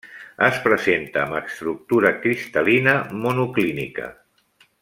Es presenta amb estructura cristal·lina monoclínica.